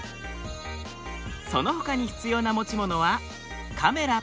そのほかに必要な持ち物はカメラ。